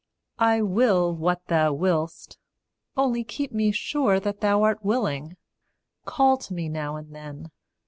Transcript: I will what thou will'st only keep me sure That thou art willing; call to me now and then.